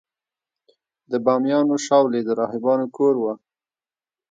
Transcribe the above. د بامیانو شاولې د راهبانو کور و